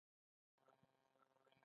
یو څوک نه شي کولای د خدای سره مینه ولري.